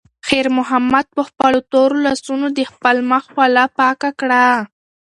خیر محمد په خپلو تورو لاسونو د خپل مخ خوله پاکه کړه.